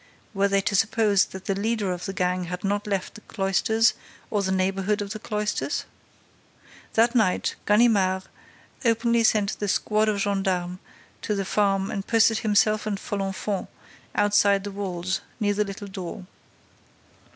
Were they to suppose that the leader of the gang had not left the cloisters or the neighborhood of the cloisters? That night, Ganimard openly sent the squad of gendarmes to the farm and posted himself and Folenfant outside the walls, near the little door.